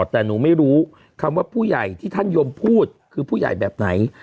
แต่หนูไม่รู้คำว่าผู้ใหญ่ที่ท่านยมพูดคือผู้ใหญ่แบบไหน